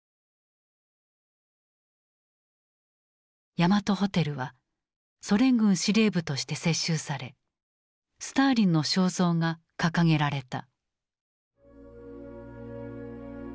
ヤマトホテルはソ連軍司令部として接収されスターリンの肖像が掲げられた。